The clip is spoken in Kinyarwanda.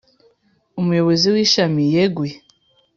Umuyobozi w ‘Ishami yeguye.